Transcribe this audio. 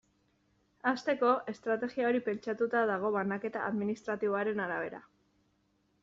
Hasteko, estrategia hori pentsatua dago banaketa administratiboaren arabera.